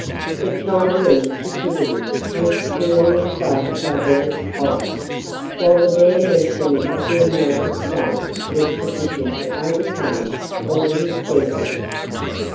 The Chinaman's cupidity was clearly excited by Bennett's offer, while the bare mention of the amount at stake was sufficient to overcome all his scruples.